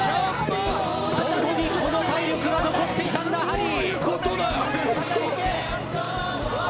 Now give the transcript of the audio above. どこにこの体力が残っていたんだハリー。